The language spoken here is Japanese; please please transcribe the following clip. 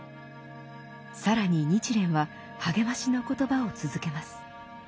更に日蓮は励ましの言葉を続けます。